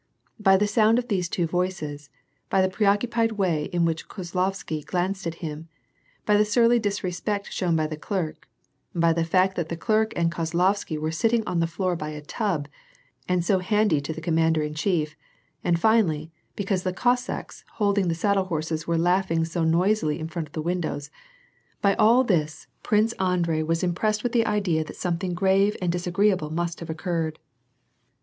By the sound of these two voices, by the preoccupied way in which Kozlovsky glanced up at him, by the surly disrespect shown by the clerk, by the fact that the clerk and Kozlovsky were sitting on the floor by a tub, and so handy to the commander in chief, and finally, because the Cossacks holding the saddle horses were laughing so nois ily in front of the windows, — by all of this. Prince Andrei was * Vashe vuUokoblagordUie: high well bornf Uochwohlgeboren, WAR AND PEACE. 199 impressed with the idea that something grave and disagreeable must have occurred.